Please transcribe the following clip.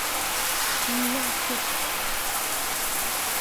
皮尼亚克。